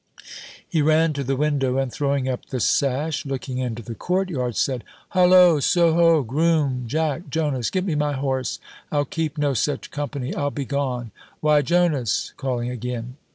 He ran to the window, and throwing up the sash looking into the court yard, said, "Hollo So ho! Groom Jack Jonas Get me my horse! I'll keep no such company! I'll be gone! Why, Jonas!" calling again.